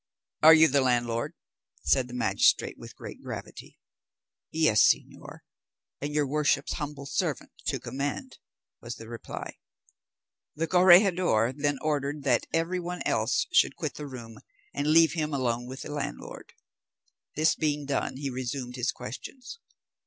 "Are you the landlord?" said the magistrate with great gravity. "Yes, señor, and your worship's humble servant to command," was the reply. The corregidor then ordered that every one else should quit the room, and leave him alone with the landlord. This being done, he resumed his questions.